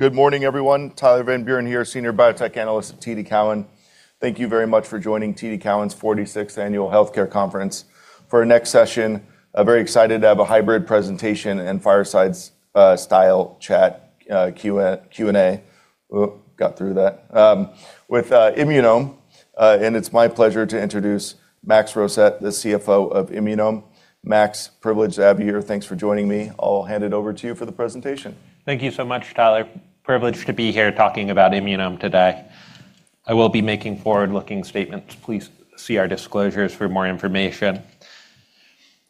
Great. Good morning everyone. Tyler Van Buren here, Senior Biotech Analyst at TD Cowen. Thank you very much for joining TD Cowen's 46th Annual Healthcare Conference. For our next session, I'm very excited to have a hybrid presentation and fireside style chat, Q&A, got through that, with Immunome. It's my pleasure to introduce Max Rosett, the CFO of Immunome. Max, privileged to have you here. Thanks for joining me. I'll hand it over to you for the presentation. Thank you so much, Tyler. Privileged to be here talking about Immunome today. I will be making forward-looking statements. Please see our disclosures for more information.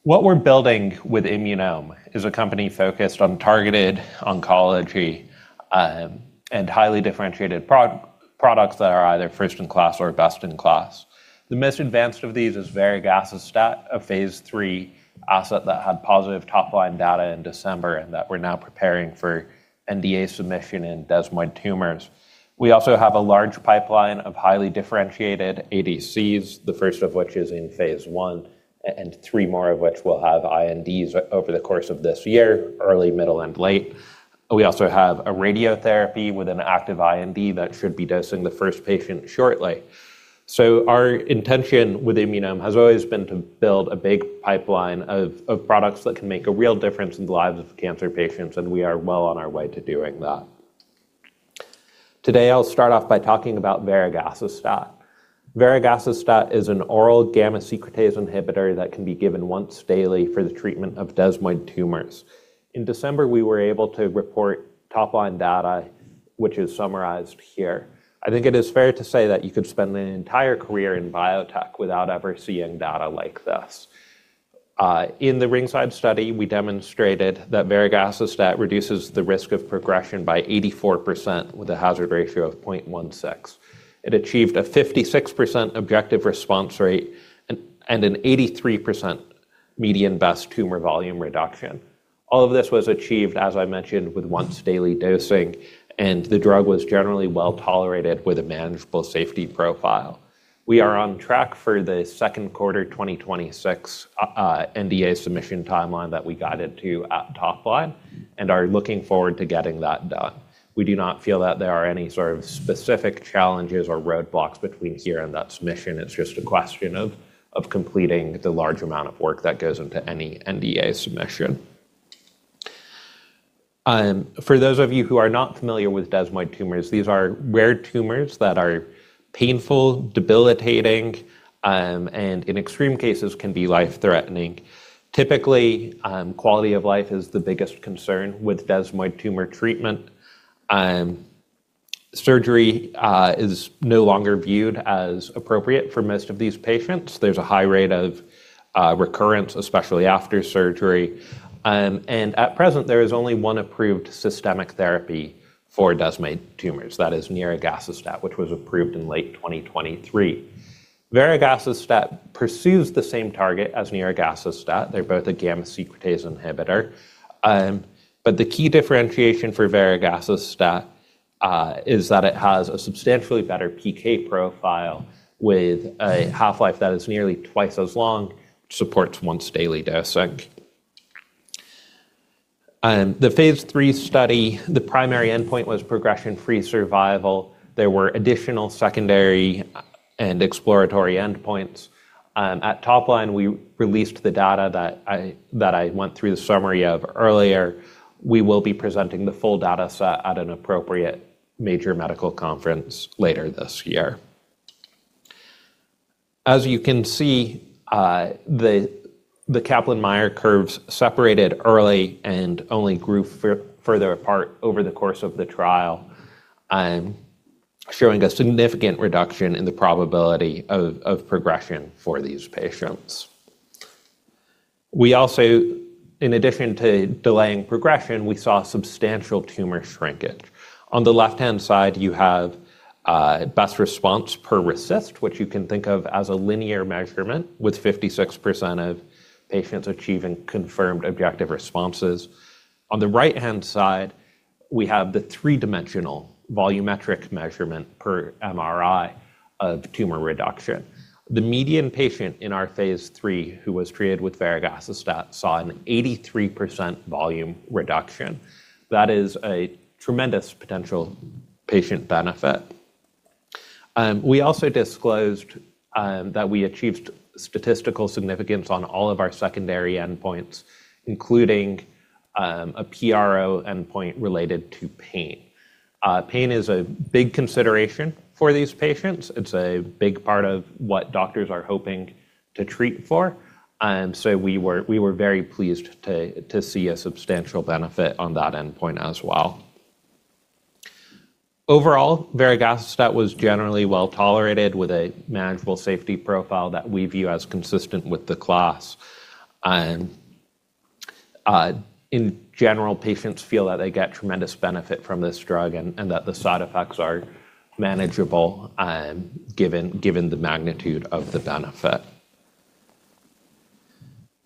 What we're building with Immunome is a company focused on targeted oncology, and highly differentiated products that are either first in class or best in class. The most advanced of these is varegacestat, a phase III asset that had positive top-line data in December, and that we're now preparing for NDA submission in desmoid tumors. We also have a large pipeline of highly differentiated ADCs, the first of which is in phase I, and three more of which will have INDs over the course of this year, early, middle, and late. We also have a radiotherapy with an active IND that should be dosing the first patient shortly. Our intention with Immunome has always been to build a big pipeline of products that can make a real difference in the lives of cancer patients, and we are well on our way to doing that. Today, I'll start off by talking about varegacestat. Varegacestat is an oral gamma secretase inhibitor that can be given once daily for the treatment of desmoid tumors. In December, we were able to report top-line data, which is summarized here. I think it is fair to say that you could spend an entire career in biotech without ever seeing data like this. In the RINGSIDE study, we demonstrated that varegacestat reduces the risk of progression by 84% with a hazard ratio of 0.16. It achieved a 56% objective response rate and an 83% median best tumor volume reduction. All of this was achieved, as I mentioned, with once-daily dosing. The drug was generally well-tolerated with a manageable safety profile. We are on track for the second quarter 2026 NDA submission timeline that we guided to at top line and are looking forward to getting that done. We do not feel that there are any sort of specific challenges or roadblocks between here and that submission. It's just a question of completing the large amount of work that goes into any NDA submission. For those of you who are not familiar with desmoid tumors, these are rare tumors that are painful, debilitating. In extreme cases can be life-threatening. Typically, quality of life is the biggest concern with desmoid tumor treatment. Surgery is no longer viewed as appropriate for most of these patients. There's a high rate of recurrence, especially after surgery. At present, there is only one approved systemic therapy for desmoid tumors. That is nirogacestat, which was approved in late 2023. Varegacestat pursues the same target as nirogacestat. They're both a gamma secretase inhibitor. The key differentiation for varegacestat is that it has a substantially better PK profile with a half-life that is nearly twice as long, supports once daily dosing. The phase III study, the primary endpoint was progression-free survival. There were additional secondary and exploratory endpoints. At top line, we released the data that I went through the summary of earlier. We will be presenting the full data set at an appropriate major medical conference later this year. As you can see, the Kaplan-Meier curves separated early and only grew further apart over the course of the trial, showing a significant reduction in the probability of progression for these patients. In addition to delaying progression, we saw substantial tumor shrinkage. On the left-hand side, you have best response per RECIST, which you can think of as a linear measurement, with 56% of patients achieving confirmed objective responses. On the right-hand side, we have the three-dimensional volumetric measurement per MRI of tumor reduction. The median patient in our phase III who was treated with varegacestat saw an 83% volume reduction. That is a tremendous potential patient benefit. We also disclosed that we achieved statistical significance on all of our secondary endpoints, including a PRO endpoint related to pain. Pain is a big consideration for these patients. It's a big part of what doctors are hoping to treat for. We were very pleased to see a substantial benefit on that endpoint as well. Overall, varegacestat was generally well-tolerated with a manageable safety profile that we view as consistent with the class. In general, patients feel that they get tremendous benefit from this drug and that the side effects are manageable, given the magnitude of the benefit.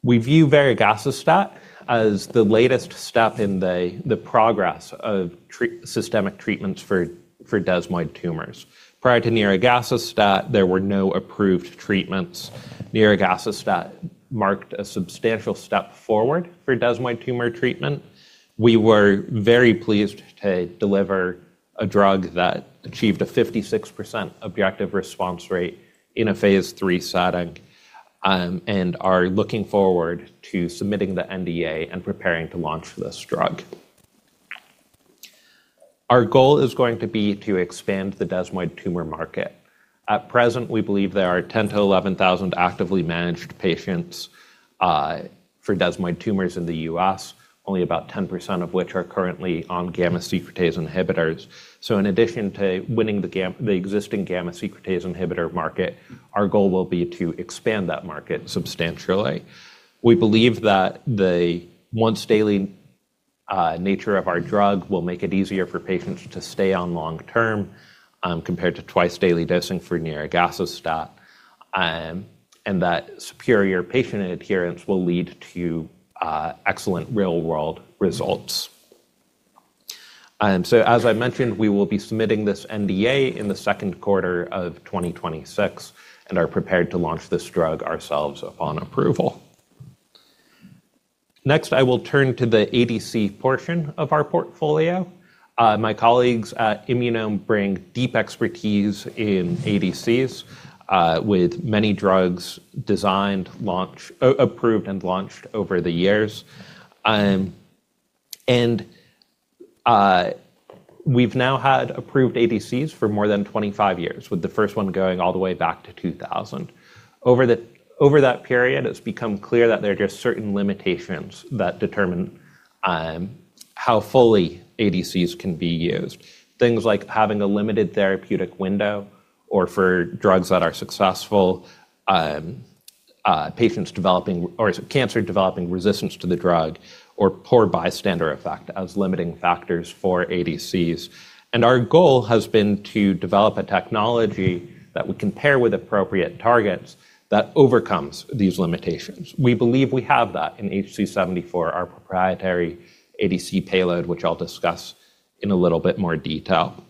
We view varegacestat as the latest step in the progress of systemic treatments for desmoid tumors. Prior to nirogacestat, there were no approved treatments. Nirogacestat marked a substantial step forward for desmoid tumor treatment. We were very pleased to deliver a drug that achieved a 56% objective response rate in a phase III setting, and are looking forward to submitting the NDA and preparing to launch this drug. Our goal is going to be to expand the desmoid tumor market. At present, we believe there are 10,000-11,000 actively managed patients for desmoid tumors in the U.S., only about 10% of which are currently on gamma secretase inhibitors. In addition to winning the existing gamma secretase inhibitor market, our goal will be to expand that market substantially. We believe that the once-daily nature of our drug will make it easier for patients to stay on long-term, compared to twice-daily dosing for niraparib, and that superior patient adherence will lead to excellent real-world results. As I mentioned, we will be submitting this NDA in the second quarter of 2026 and are prepared to launch this drug ourselves upon approval. Next, I will turn to the ADC portion of our portfolio. My colleagues at Immunome bring deep expertise in ADCs, with many drugs designed, approved and launched over the years. We've now had approved ADCs for more than 25 years, with the first one going all the way back to 2000. Over that period, it's become clear that there are just certain limitations that determine how fully ADCs can be used. Things like having a limited therapeutic window or for drugs that are successful, cancer developing resistance to the drug or poor bystander effect as limiting factors for ADCs. Our goal has been to develop a technology that we can pair with appropriate targets that overcomes these limitations. We believe we have that in HC74, our proprietary ADC payload, which I'll discuss in a little bit more detail.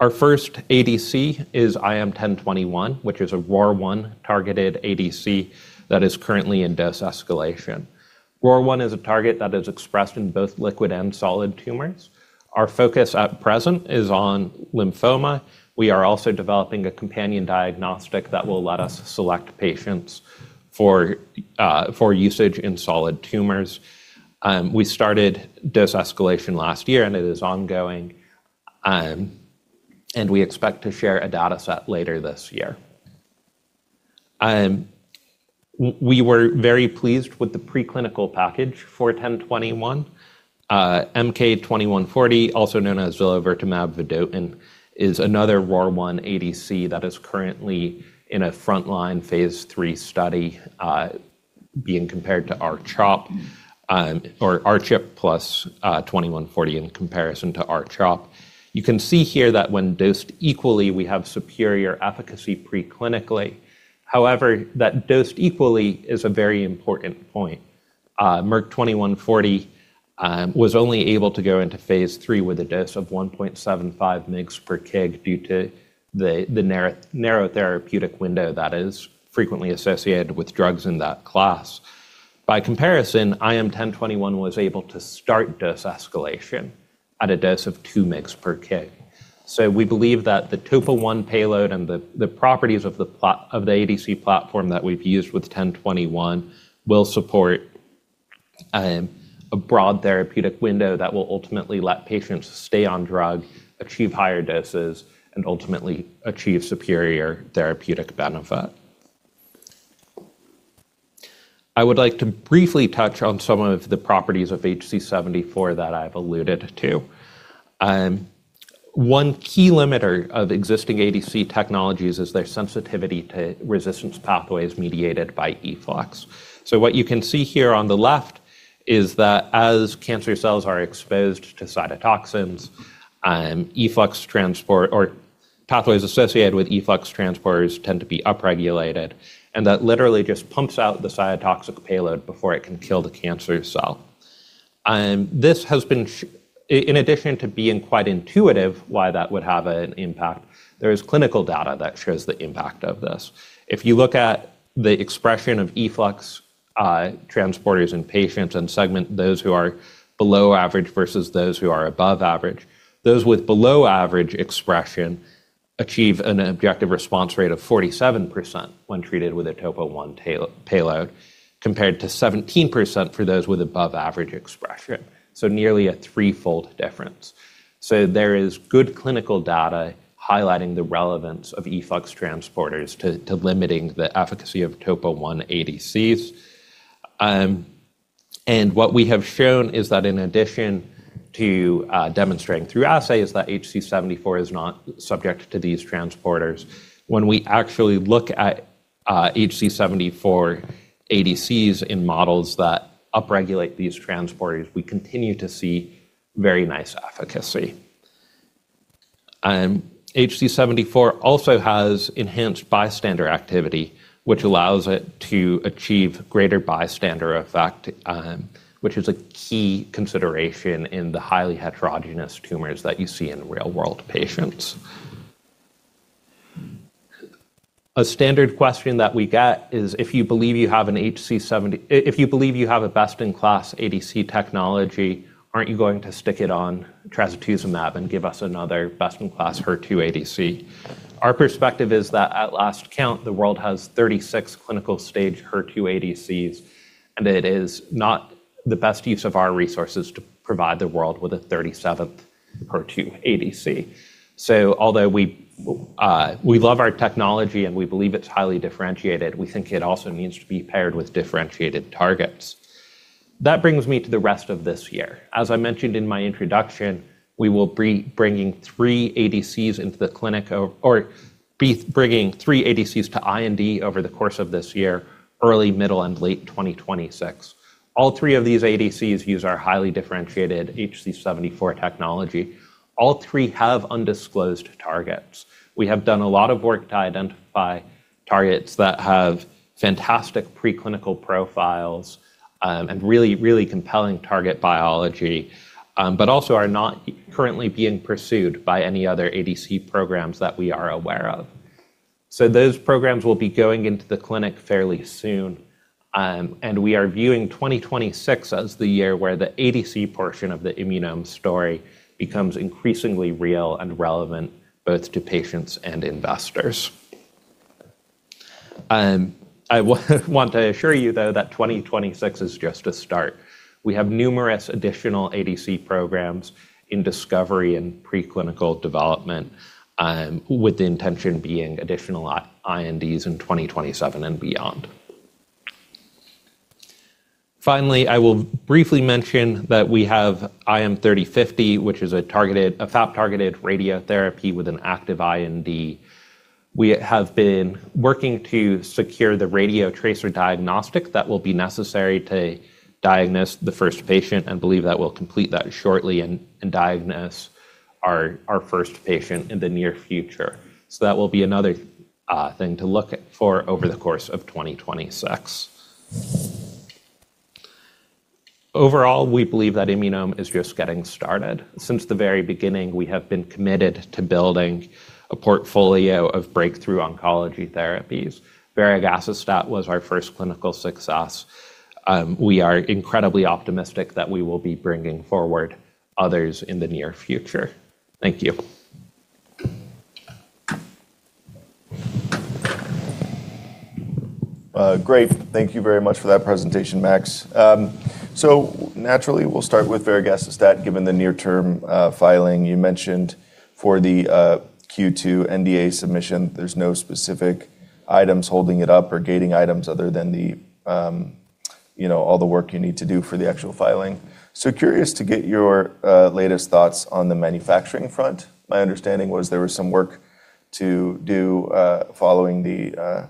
Our first ADC is IM-1021, which is a ROR1-targeted ADC that is currently in dose escalation. ROR1 is a target that is expressed in both liquid and solid tumors. Our focus at present is on lymphoma. We are also developing a companion diagnostic that will let us select patients for usage in solid tumors. We started dose escalation last year, and it is ongoing, and we expect to share a dataset later this year. We were very pleased with the preclinical package for 1021. MK-2140, also known as zilovertamab vedotin, is another ROR1 ADC that is currently in a frontline phase III study, being compared to R-CHOP, or R-CHOP plus 2140 in comparison to R-CHOP. You can see here that when dosed equally, we have superior efficacy preclinically. However, that dosed equally is a very important point. Merck-2140 was only able to go into phase III with a dose of 1.75 mgs/kg due to the narrow therapeutic window that is frequently associated with drugs in that class. By comparison, IM-1021 was able to start dose escalation at a dose of 2 mgs/kg. We believe that the Topo1 payload and the properties of the ADC platform that we've used with 1021 will support a broad therapeutic window that will ultimately let patients stay on drug, achieve higher doses, and ultimately achieve superior therapeutic benefit. I would like to briefly touch on some of the properties of HC-74 that I've alluded to. One key limiter of existing ADC technologies is their sensitivity to resistance pathways mediated by efflux. What you can see here on the left is that as cancer cells are exposed to cytotoxins, efflux transport or pathways associated with efflux transporters tend to be upregulated, and that literally just pumps out the cytotoxic payload before it can kill the cancer cell. This has been in addition to being quite intuitive why that would have an impact, there is clinical data that shows the impact of this. If you look at the expression of efflux transporters in patients and segment those who are below average versus those who are above average, those with below-average expression achieve an objective response rate of 47% when treated with a TOP1 payload, compared to 17% for those with above-average expression, so nearly a three-fold difference. There is good clinical data highlighting the relevance of efflux transporters to limiting the efficacy of TOP1 ADCs. What we have shown is that in addition to demonstrating through assays that HC74 is not subject to these transporters, when we actually look at HC74 ADCs in models that upregulate these transporters, we continue to see very nice efficacy. HC74 also has enhanced bystander activity, which allows it to achieve greater bystander effect, which is a key consideration in the highly heterogeneous tumors that you see in real-world patients. A standard question that we get is if you believe you have a best-in-class ADC technology, aren't you going to stick it on trastuzumab and give us another best-in-class HER2 ADC? Our perspective is that at last count, the world has 36 clinical-stage HER2 ADCs, and it is not the best use of our resources to provide the world with a 37th HER2 ADC. Although we love our technology and we believe it's highly differentiated, we think it also needs to be paired with differentiated targets. That brings me to the rest of this year. As I mentioned in my introduction, we will be bringing three ADCs into the clinic or be bringing three ADCs to IND over the course of this year, early, middle, and late 2026. All three of these ADCs use our highly differentiated HC74 technology. All three have undisclosed targets. We have done a lot of work to identify targets that have fantastic preclinical profiles, and really compelling target biology, but also are not currently being pursued by any other ADC programs that we are aware of. Those programs will be going into the clinic fairly soon. We are viewing 2026 as the year where the ADC portion of the Immunome story becomes increasingly real and relevant both to patients and investors. I want to assure you, though, that 2026 is just a start. We have numerous additional ADC programs in discovery and preclinical development, with the intention being additional INDs in 2027 and beyond. I will briefly mention that we have IM-3050, which is a FAP-targeted radiotherapy with an active IND. We have been working to secure the radiotracer diagnostic that will be necessary to diagnose the first patient and believe that we'll complete that shortly and diagnose our first patient in the near future. That will be another thing to look for over the course of 2026. We believe that Immunome is just getting started. Since the very beginning, we have been committed to building a portfolio of breakthrough oncology therapies. Varegacestat was our first clinical success. We are incredibly optimistic that we will be bringing forward others in the near future. Thank you. Great. Thank you very much for that presentation, Max. Naturally we'll start with varegacestat given the near-term filing you mentioned for the Q2 NDA submission. There's no specific items holding it up or gating items other than the, you know, all the work you need to do for the actual filing. Curious to get your latest thoughts on the manufacturing front. My understanding was there was some work to do following the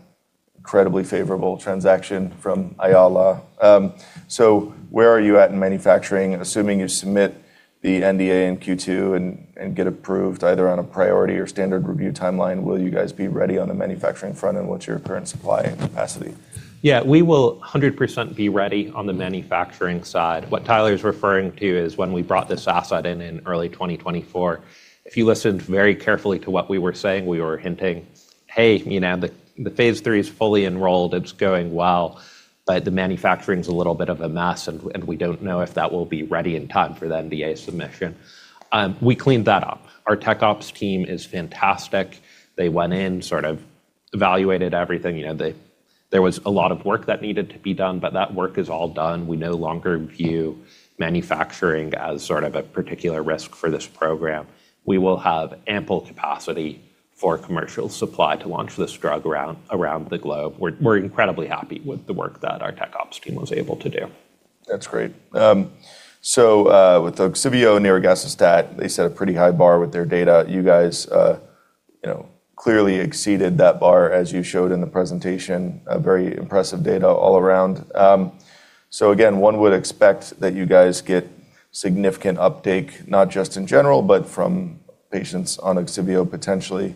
incredibly favorable transaction from Ayala. Where are you at in manufacturing? Assuming you submit the NDA in Q2 and get approved either on a priority or standard review timeline, will you guys be ready on the manufacturing front, and what's your current supply capacity? Yeah. We will 100% be ready on the manufacturing side. What Tyler's referring to is when we brought this asset in in early 2024, if you listened very carefully to what we were saying, we were hinting, "Hey, you know, the phase III is fully enrolled. It's going well, but the manufacturing's a little bit of a mess, and we don't know if that will be ready in time for the NDA submission." We cleaned that up. Our tech ops team is fantastic. They went in, sort of evaluated everything. You know, there was a lot of work that needed to be done, but that work is all done. We no longer view manufacturing as sort of a particular risk for this program. We will have ample capacity for commercial supply to launch this drug around the globe. We're incredibly happy with the work that our tech ops team was able to do. That's great. With OGSIVEO and varegacestat, they set a pretty high bar with their data. You guys, you know, clearly exceeded that bar as you showed in the presentation, a very impressive data all around. Again, one would expect that you guys get significant uptake, not just in general, but from patients on OGSIVEO potentially.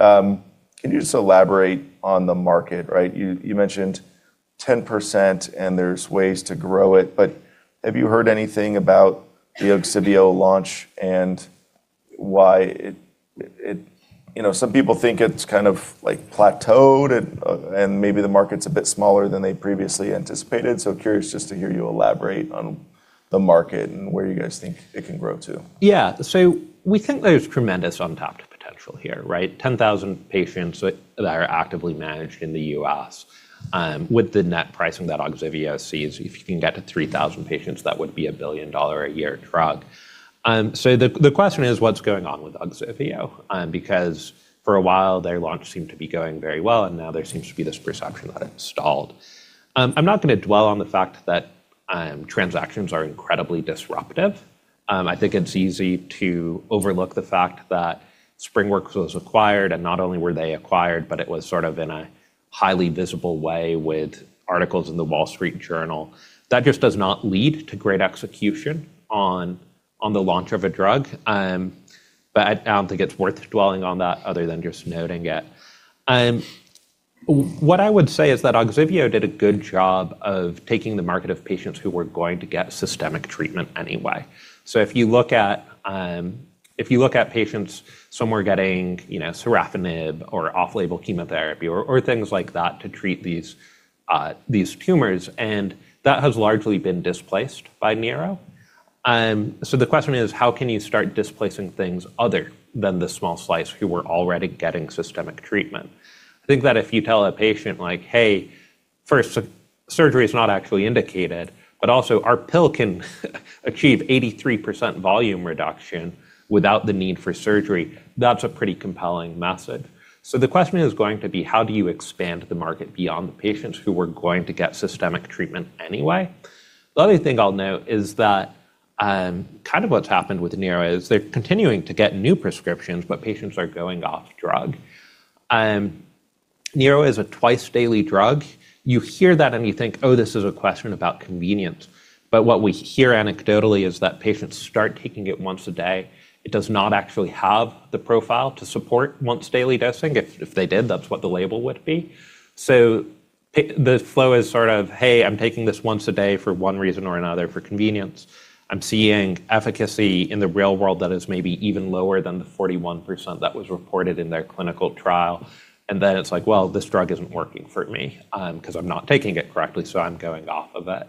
Can you just elaborate on the market, right? You, you mentioned 10% and there's ways to grow it, but have you heard anything about the OGSIVEO launch and why it? You know, some people think it's kind of like plateaued and maybe the market's a bit smaller than they previously anticipated. Curious just to hear you elaborate on the market and where you guys think it can grow to. Yeah. We think there's tremendous on top potential here, right? 10,000 patients that are actively managed in the U.S. with the net pricing that OGSIVEO sees. If you can get to 3,000 patients, that would be a billion-dollar a year drug. The question is what's going on with OGSIVEO? Because for a while their launch seemed to be going very well, and now there seems to be this perception that it's stalled. I'm not gonna dwell on the fact that transactions are incredibly disruptive. I think it's easy to overlook the fact that SpringWorks Therapeutics was acquired, and not only were they acquired, but it was sort of in a highly visible way with articles in The Wall Street Journal. That just does not lead to great execution on the launch of a drug. I don't think it's worth dwelling on that other than just noting it. What I would say is that OGSIVEO did a good job of taking the market of patients who were going to get systemic treatment anyway. If you look at, if you look at patients, some were getting, you know, sorafenib or off-label chemotherapy or things like that to treat these tumors, and that has largely been displaced by Niro. The question is: how can you start displacing things other than the small slice who were already getting systemic treatment? I think that if you tell a patient, like, "Hey, first, surgery is not actually indicated, but also our pill can achieve 83% volume reduction without the need for surgery," that's a pretty compelling message. The question is going to be: how do you expand the market beyond the patients who were going to get systemic treatment anyway? The other thing I'll note is that, kind of what's happened with Niro is they're continuing to get new prescriptions, but patients are going off drug. Niro is a twice-daily drug. You hear that, and you think, "Oh, this is a question about convenience." What we hear anecdotally is that patients start taking it once a day. It does not actually have the profile to support once-daily dosing. If they did, that's what the label would be. The flow is sort of, hey, I'm taking this once a day for one reason or another, for convenience. I'm seeing efficacy in the real world that is maybe even lower than the 41% that was reported in their clinical trial. It's like, well, this drug isn't working for me, 'cause I'm not taking it correctly, so I'm going off of it.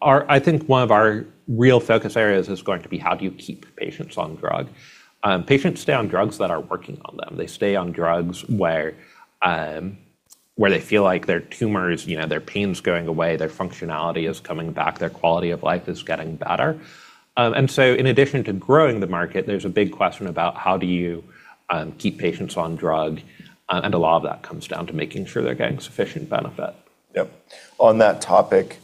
I think one of our real focus areas is going to be how do you keep patients on drug? Patients stay on drugs that are working on them. They stay on drugs where they feel like their tumors, you know, their pain's going away, their functionality is coming back, their quality of life is getting better. In addition to growing the market, there's a big question about how do you keep patients on drug, and a lot of that comes down to making sure they're getting sufficient benefit. Yep. On that topic,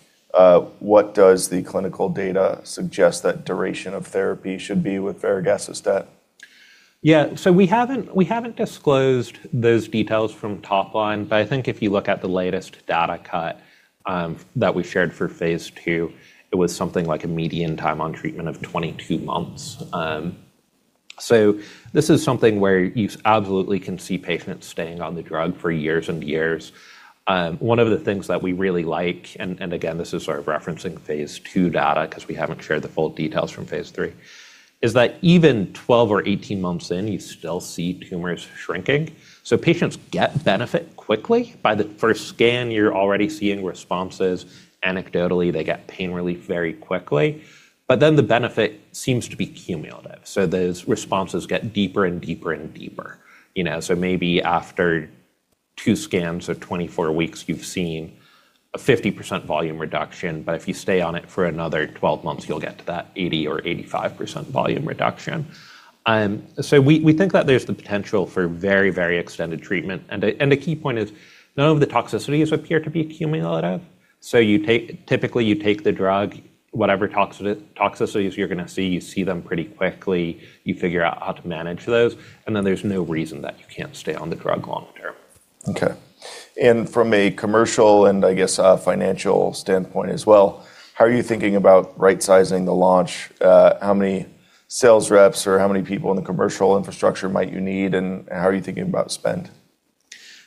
what does the clinical data suggest that duration of therapy should be with varegacestat? Yeah. We haven't, we haven't disclosed those details from top line, but I think if you look at the latest data cut, that we shared for phase II, it was something like a median time on treatment of 22 months. This is something where you absolutely can see patients staying on the drug for years and years. One of the things that we really like, and again, this is sort of referencing phase II data 'cause we haven't shared the full details from phase III, is that even 12 or 18 months in, you still see tumors shrinking. Patients get benefit quickly. By the first scan, you're already seeing responses. Anecdotally, they get pain relief very quickly. The benefit seems to be cumulative, so those responses get deeper and deeper and deeper. You know, maybe after two scans or 24 weeks, you've seen a 50% volume reduction, but if you stay on it for another 12 months, you'll get to that 80% or 85% volume reduction. We think that there's the potential for very, very extended treatment and a key point is none of the toxicities appear to be cumulative. Typically you take the drug, whatever toxicities you're gonna see, you see them pretty quickly. You figure out how to manage those, and then there's no reason that you can't stay on the drug long term. Okay. From a commercial and I guess financial standpoint as well, how are you thinking about right-sizing the launch? How many sales reps or how many people in the commercial infrastructure might you need, and how are you thinking about spend?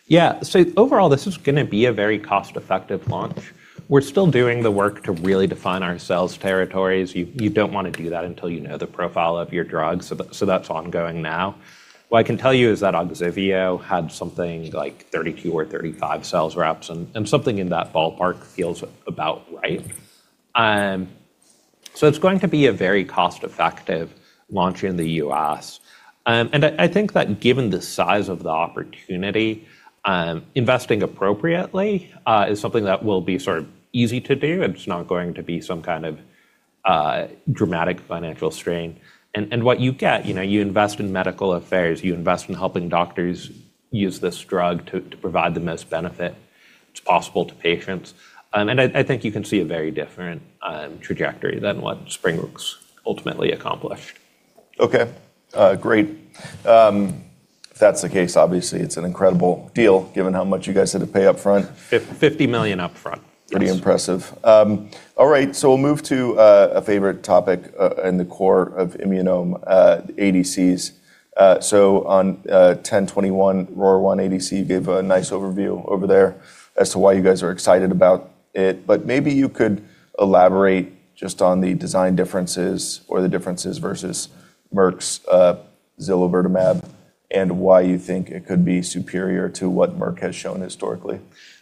Yeah. Overall, this is gonna be a very cost-effective launch. We're still doing the work to really define our sales territories. You don't wanna do that until you know the profile of your drug, so that's ongoing now. What I can tell you is that OGSIVEO had something like 32 or 35 sales reps and something in that ballpark feels about right. It's going to be a very cost-effective launch in the U.S. I think that given the size of the opportunity, investing appropriately, is something that will be sort of easy to do. It's not going to be some kind of dramatic financial strain. What you get, you know, you invest in medical affairs, you invest in helping doctors use this drug to provide the most benefit that's possible to patients.I think you can see a very different trajectory than what SpringWorks ultimately accomplished. Okay. Great. If that's the case, obviously it's an incredible deal given how much you guys had to pay up front. $50 million up front. Yes. Pretty impressive. All right, we'll move to a favorite topic in the core of Immunome, ADCs. On 1021 ROR1 ADC, you gave a nice overview over there as to why you guys are excited about it. But maybe you could elaborate just on the design differences or the differences versus Merck's zilovertamab and why you think it could be superior to what Merck has shown historically.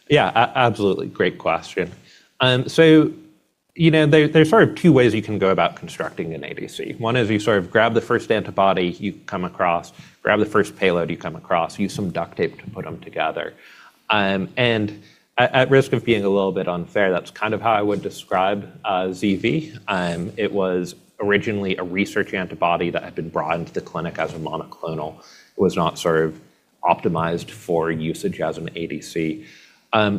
Yeah. Absolutely. Great question. You know, there's sort of two ways you can go about constructing an ADC. One is you sort of grab the first antibody you come across, grab the first payload you come across, use some duct tape to put them together. At, at risk of being a little bit unfair, that's kind of how I would describe ZV. It was originally a research antibody that had been brought into the clinic as a monoclonal. It was not sort of optimized for usage as an ADC.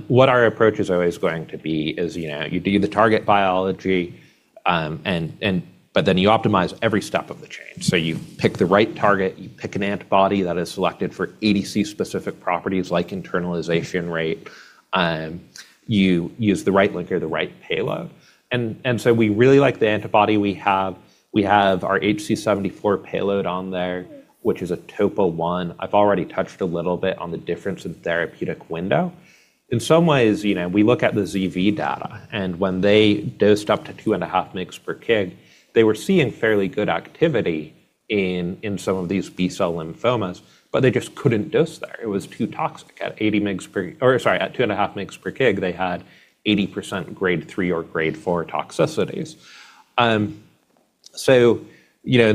What our approach is always going to be is, you know, you do the target biology, and but then you optimize every step of the chain. You pick the right target, you pick an antibody that is selected for ADC-specific properties like internalization rate, you use the right linker, the right payload. We really like the antibody we have. We have our HC74 payload on there, which is a Topo1. I've already touched a little bit on the difference in therapeutic window. In some ways, you know, we look at the ZV data, and when they dosed up to 2.5 mgs/kg, they were seeing fairly good activity in some of these B-cell lymphomas, but they just couldn't dose there. It was too toxic. At 2.5 mgs/kg, they had 80% grade 3 or grade 4 toxicities. In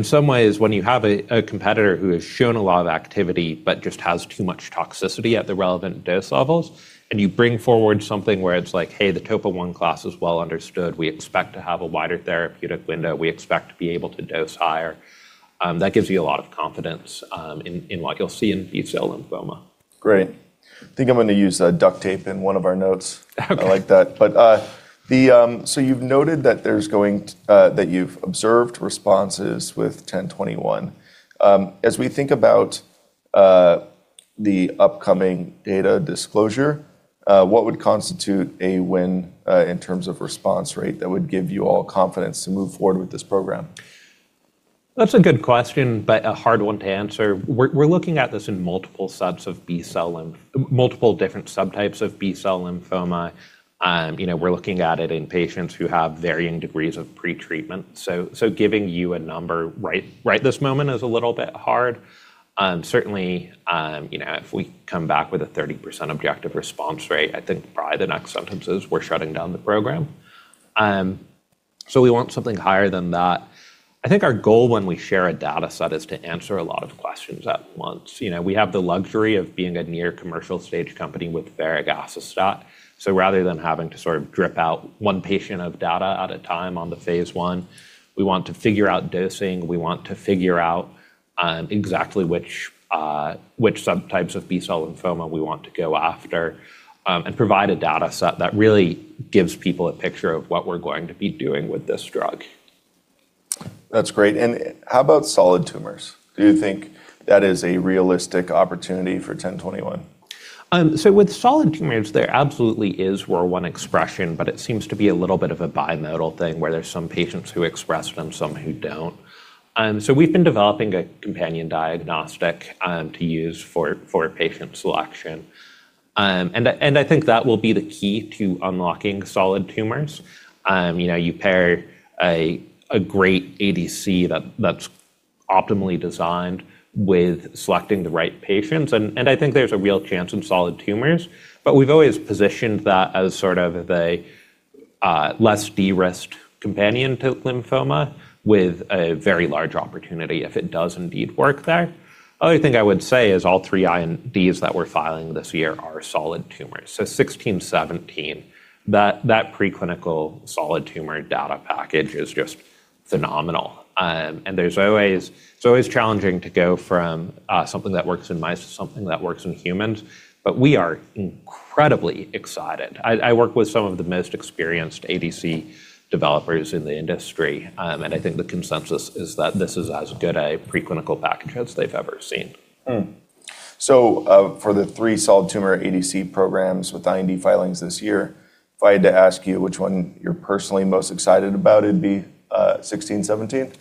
some ways, when you have a competitor who has shown a lot of activity but just has too much toxicity at the relevant dose levels, and you bring forward something where it's like, "Hey, the Topo1 class is well understood, we expect to have a wider therapeutic window, we expect to be able to dose higher," that gives you a lot of confidence in what you'll see in B-cell lymphoma. Great. Think I'm gonna use duct tape in one of our notes. Okay. I like that. You've noted that you've observed responses with IM-1021. As we think about the upcoming data disclosure, what would constitute a win in terms of response rate that would give you all confidence to move forward with this program? That's a good question, but a hard one to answer. We're looking at this in multiple subs of multiple different subtypes of B-cell lymphoma. You know, we're looking at it in patients who have varying degrees of pretreatment, so giving you a number right this moment is a little bit hard. Certainly, you know, if we come back with a 30% objective response rate, I think probably the next sentence is, "We're shutting down the program." We want something higher than that. I think our goal when we share a data set is to answer a lot of questions at once. You know, we have the luxury of being a near commercial stage company with varegacestat, so rather than having to sort of drip out one patient of data at a time on the phase I, we want to figure out dosing, we want to figure out exactly which subtypes of B-cell lymphoma we want to go after, and provide a data set that really gives people a picture of what we're going to be doing with this drug. That's great. How about solid tumors? Do you think that is a realistic opportunity for IM-1021? With solid tumors, there absolutely is ROR1 expression, but it seems to be a little bit of a bimodal thing, where there's some patients who express them, some who don't. We've been developing a companion diagnostic to use for patient selection. And I think that will be the key to unlocking solid tumors. You know, you pair a great ADC that's optimally designed with selecting the right patients, and I think there's a real chance in solid tumors. We've always positioned that as sort of a less de-risked companion to lymphoma with a very large opportunity if it does indeed work there. Other thing I would say is all three INDs that we're filing this year are solid tumors. IM-1617, that preclinical solid tumor data package is just phenomenal. It's always challenging to go from something that works in mice to something that works in humans, but we are incredibly excited. I work with some of the most experienced ADC developers in the industry, and I think the consensus is that this is as good a preclinical package as they've ever seen. For the 3 solid tumor ADC programs with IND filings this year, if I had to ask you which one you're personally most excited about, it'd be, IM-1617?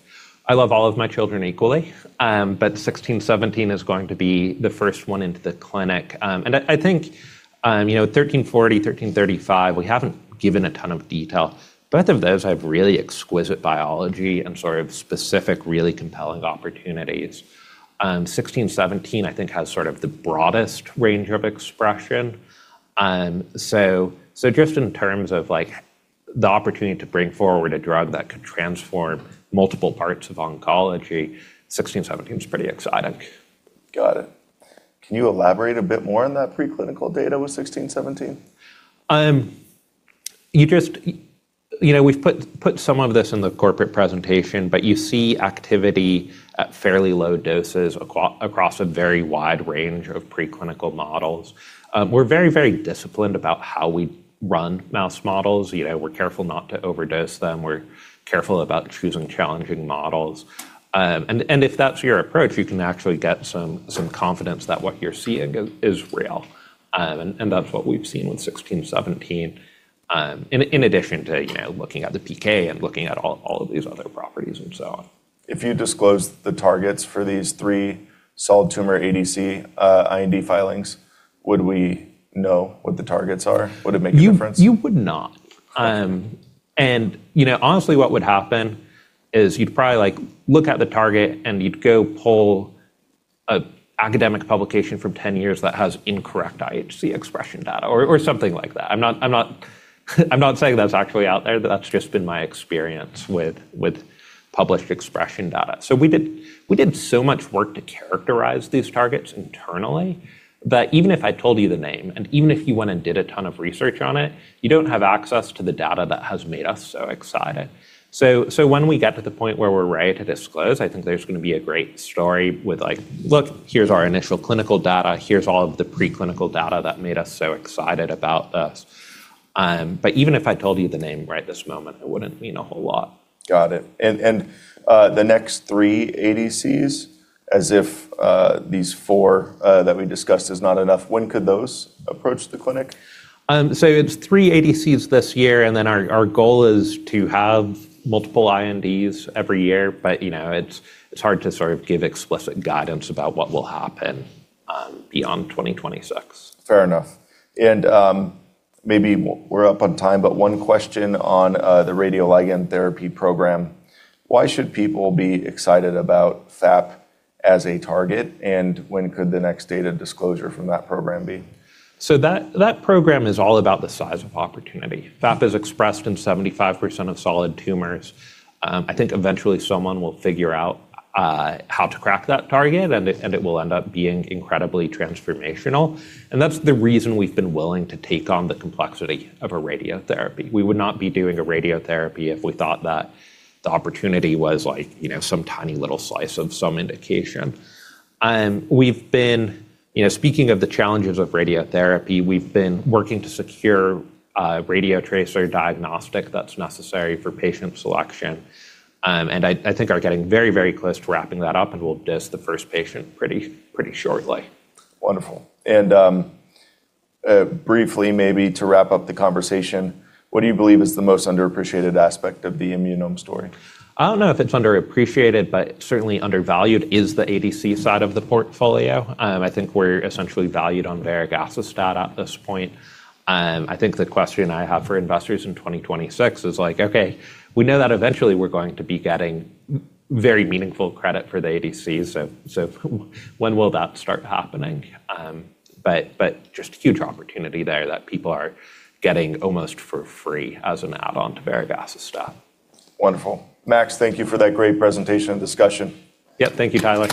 I love all of my children equally, but 1617 is going to be the first one into the clinic. I think, you know, 1340, 1335, we haven't given a ton of detail. Both of those have really exquisite biology and sort of specific, really compelling opportunities. 1617 I think has sort of the broadest range of expression. Just in terms of, like, the opportunity to bring forward a drug that could transform multiple parts of oncology, 1617's pretty exciting. Got it. Can you elaborate a bit more on that preclinical data with 1617? You know, we've put some of this in the corporate presentation, but you see activity at fairly low doses across a very wide range of preclinical models. We're very disciplined about how we run mouse models. You know, we're careful not to overdose them. We're careful about choosing challenging models. And if that's your approach, you can actually get some confidence that what you're seeing is real. And that's what we've seen with IM-1617, in addition to, you know, looking at the PK and looking at all of these other properties and so on. If you disclose the targets for these three solid tumor ADC, IND filings, would we know what the targets are? Would it make a difference? You would not. You know, honestly, what would happen is you'd probably, like, look at the target, and you'd go pull a academic publication from 10 years that has incorrect IHC expression data or something like that. I'm not saying that's actually out there, but that's just been my experience with published expression data. We did so much work to characterize these targets internally that even if I told you the name, and even if you went and did a ton of research on it, you don't have access to the data that has made us so excited. When we get to the point where we're ready to disclose, I think there's gonna be a great story with, like, "Look, here's our initial clinical data. Here's all of the preclinical data that made us so excited about this." Even if I told you the name right this moment, it wouldn't mean a whole lot. Got it. The next three ADCs as if, these four, that we discussed is not enough, when could those approach the clinic? It's three ADCs this year, and then our goal is to have multiple INDs every year. You know, it's hard to sort of give explicit guidance about what will happen beyond 2026. Fair enough. Maybe we're up on time, but one question on the radioligand therapy program. Why should people be excited about FAP as a target, and when could the next data disclosure from that program be? That program is all about the size of opportunity. FAP is expressed in 75% of solid tumors. I think eventually someone will figure out how to crack that target and it will end up being incredibly transformational, and that's the reason we've been willing to take on the complexity of a radiotherapy. We would not be doing a radiotherapy if we thought that the opportunity was like, you know, some tiny little slice of some indication. You know, speaking of the challenges of radiotherapy, we've been working to secure a radiotracer diagnostic that's necessary for patient selection. I think are getting very close to wrapping that up, and we'll dose the first patient pretty shortly. Wonderful. Briefly, maybe to wrap up the conversation, what do you believe is the most underappreciated aspect of the Immunome story? I don't know if it's underappreciated, but certainly undervalued is the ADC side of the portfolio. I think we're essentially valued on varegacestat at this point. I think the question I have for investors in 2026 is like, okay, we know that eventually we're going to be getting very meaningful credit for the ADCs, when will that start happening? Just huge opportunity there that people are getting almost for free as an add-on to varegacestat. Wonderful. Max, thank you for that great presentation and discussion. Yep. Thank you, Tyler.